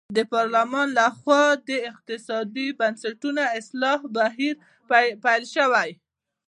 د پارلمان له خوا د اقتصادي بنسټونو اصلاح بهیر پیل شو.